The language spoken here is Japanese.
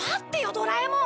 ドラえもん！